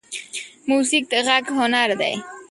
موزیک د غږ هنر دی.